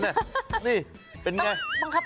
นี่เป็นอย่างไร